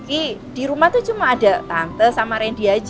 i di rumah tuh cuma ada tante sama randy aja